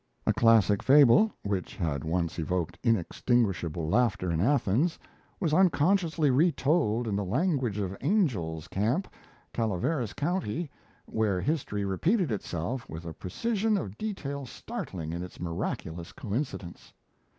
A classic fable, which had once evoked inextinguishable laughter in Athens, was unconsciously re told in the language of Angel's Camp, Calaveras County, where history repeated itself with a precision of detail startling in its miraculous coincidence.